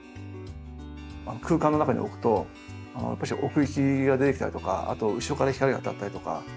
空間の中に置くとやっぱし奥行きが出てきたりとかあと後ろから光が当たったりとか。